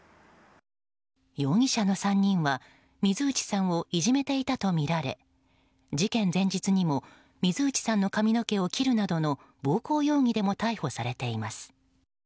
容疑者の３人は水内さんをいじめていたとみられ事件前日にも水内さんの髪の毛を切るなどの暴行容疑でも逮捕されています。